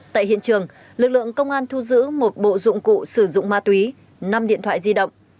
tại hiện trường lực lượng công an thu giữ một bộ dụng cụ sử dụng ma túy năm điện thoại di động